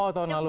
oh tahun lalu